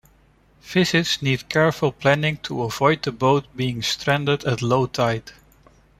Visits need careful planning to avoid the boat being stranded at low tide.